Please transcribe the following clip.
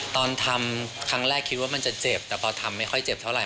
ตอนทำครั้งแรกคิดว่ามันจะเจ็บแต่พอทำไม่ค่อยเจ็บเท่าไห